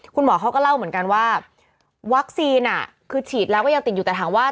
คุณหมอเขาก็เล่าเหมือนกันว่าวัคซีนคือฉีดแล้วก็ยังติดอยู่แต่ถามว่า